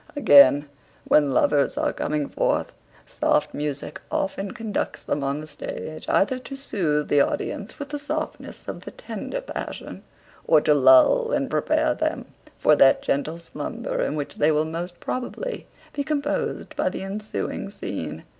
Again, when lovers are coming forth, soft music often conducts them on the stage, either to soothe the audience with the softness of the tender passion, or to lull and prepare them for that gentle slumber in which they will most probably be composed by the ensuing scene.